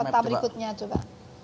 peta berikutnya coba